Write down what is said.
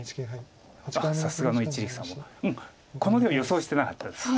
あっさすがの一力さんもこの手は予想してなかったです。